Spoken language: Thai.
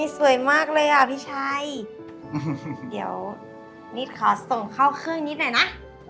สวยมากเลยอ่ะพี่ชัยเดี๋ยวนิดขอส่งเข้าเครื่องนิดหน่อยนะ